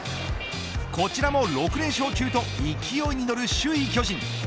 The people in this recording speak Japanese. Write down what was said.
こちらも６連勝中と勢いに乗る首位、巨人。